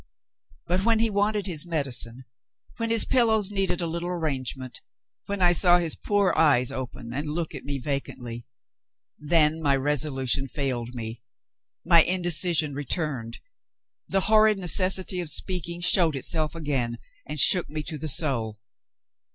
But, when he wanted his medicine, when his pillows needed a little arrangement, when I saw his poor eyes open, and look at me vacantly then my resolution failed me; my indecision returned; the horrid necessity of speaking showed itself again, and shook me to the soul.